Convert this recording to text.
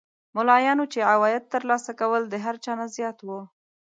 ملایانو چې عواید تر لاسه کول د هر چا نه زیات وو.